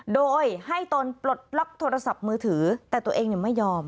โดยให้ตนปลดล็อกโทรศัพท์มือถือแต่ตัวเองไม่ยอม